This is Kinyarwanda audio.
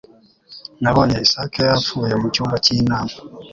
Nabonye isake yapfuye mucyumba cy'inama